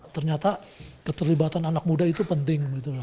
ternyata keterlibatan anak muda itu penting